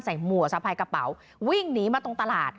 ใส่หมัวสาภัยกระเป๋าวิ่งหนีมาตรงตลาด